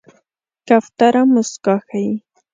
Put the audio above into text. کوتره موسکا ښيي.